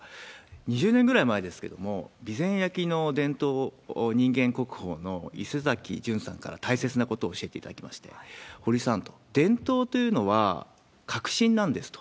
２０年ぐらい前ですけれども、備前焼の伝統を、人間国宝のいせざきじゅんさんから大切なことを教えていただきまして、堀さんと、伝統というのは、革新なんですと。